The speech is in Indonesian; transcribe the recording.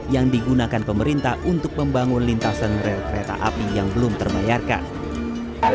yang digunakan pemerintah untuk membangun lintasan rel kereta api yang belum terbayarkan